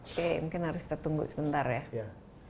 oke mungkin harus kita tunggu sebentar ya